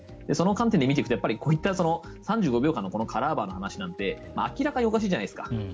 その観点で見ていくとこういった３５秒間のカラーバーの話なんて明らかにおかしいじゃないですか。